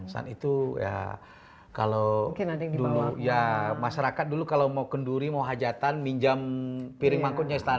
saat itu ya kalau dulu ya masyarakat dulu kalau mau kenduri mau hajatan minjam piring mangkuknya istana